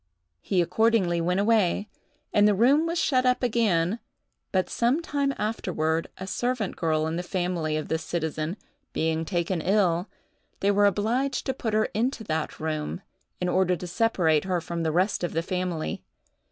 He accordingly went away, and the room was shut up again; but some time afterward, a servant girl in the family of this citizen, being taken ill, they were obliged to put her into that room, in order to separate her from the rest of the family.